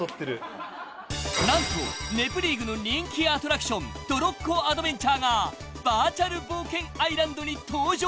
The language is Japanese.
［何と『ネプリーグ』の人気アトラクショントロッコアドベンチャーがバーチャル冒険アイランドに登場］